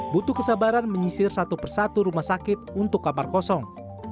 butuh kesabaran menyisir satu persatu rumah sakit untuk kamar kosong